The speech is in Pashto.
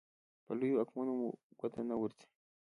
په لویو واکمنو مو ګوته نه ورځي.